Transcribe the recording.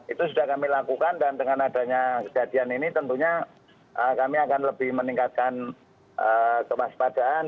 itu sudah kami lakukan dan dengan adanya kejadian ini tentunya kami akan lebih meningkatkan kewaspadaan